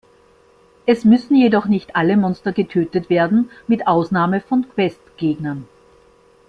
Es müssen jedoch nicht alle Monster getötet werden, mit Ausnahme von Quest-Gegnern.